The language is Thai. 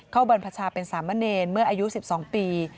บรรพชาเป็นสามเณรเมื่ออายุ๑๒ปี